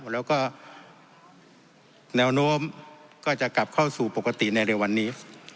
แล้วก็แนวโน้มก็จะกลับเข้าสู่ปกติในเร็ววันนี้